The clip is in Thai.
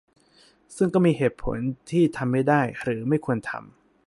ซึ่งก็มีเหตุผลที่ทำไม่ได้หรือไม่ควรทำ